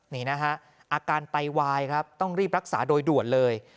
นี่นะฮะอาการไตวายครับต้องรีบรักษาโดยด่วนเลย